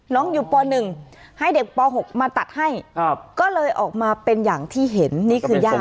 น้องอยู่ป่าหนึ่งให้เด็กป่าหกมาตัดให้ก็เลยออกมาเป็นอย่างที่เห็นนี่คือญาติ